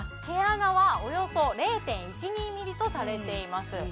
毛穴はおよそ０．１２ｍｍとされています